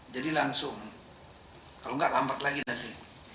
jadi langsung kalau tidak lambat lagi nanti